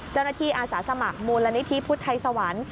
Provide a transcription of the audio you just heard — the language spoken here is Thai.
เจ้าหน้าที่อาสาสมัครมูลณิธิพุทธัยสวรรค์